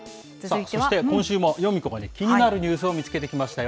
今週もヨミ子が気になるニュースを見つけてきましたよ。